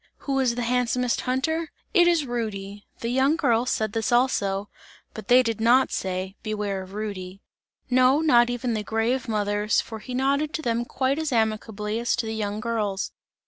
Who is the handsomest hunter? "It is Rudy." The young girls said this also, but they did not say: "Beware of Rudy!" No, not even the grave mothers, for he nodded to them quite as amicably as to the young girls.